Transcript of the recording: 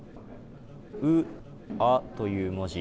ウ・アという文字